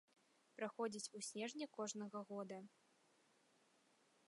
Праходзіць у снежні кожнага года.